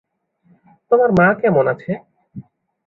তোমার মা কেমন আছে?